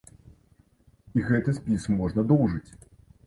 І гэты спіс можна доўжыць!